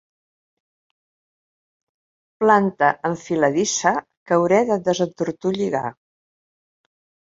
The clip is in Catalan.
Planta enfiladissa que hauré de desentortolligar.